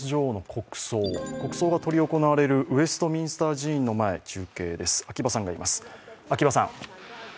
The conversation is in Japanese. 国葬が執り行われるウェストミンスター寺院の前に秋場さんがいます。